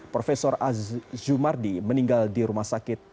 prof azra mardi meninggal di rumah sakit